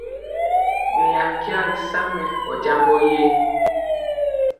Ɓeya nkya ri sa mɛ ɔ jambɔ ye?